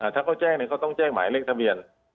ถ้าเขาแจ้งเขาต้องแจ้งหมายเลขทะเบียน